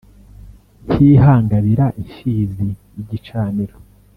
Ntihangabira imfizi n’igicaniro.